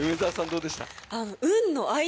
どうでした？